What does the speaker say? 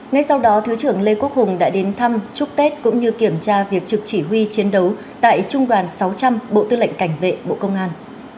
ngay sau đó thứ trưởng lê quốc hùng đã đến thăm chúc tết cũng như kiểm tra việc trực chỉ huy chiến đấu tại trung đoàn sáu trăm linh bộ tư lệnh cảnh vệ bộ công an